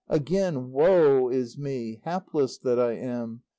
Again, woe is me, hapless that I am!